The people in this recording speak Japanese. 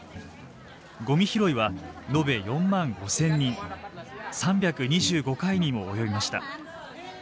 ごみ拾いは延べ４万５，０００人３２５回にも及びました。